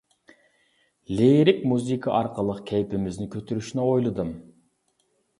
لىرىك مۇزىكا ئارقىلىق كەيپىمىزنى كۆتۈرۈشنى ئويلىدىم.